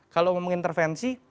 kalau ngomong intervensi